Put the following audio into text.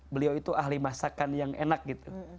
beliau itu ahli masakan yang enak gitu